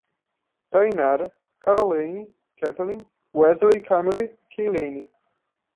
Thainara, Karolaine, Ketelin, Ueslei e Camilly, Kaylane